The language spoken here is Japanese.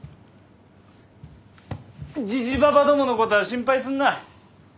じじばばどものことは心配すんな。